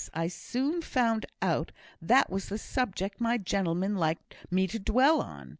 I soon found out that was the subject my gentleman liked me to dwell on.